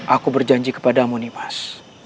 aku berjanji kepadamu nimas